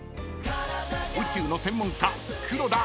［宇宙の専門家黒田有彩］